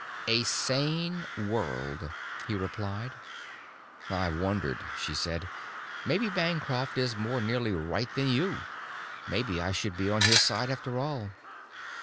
"A sane world," he replied. "I've wondered," she said. "Maybe Bancroft is more nearly right than you. Maybe I should be on his side after all."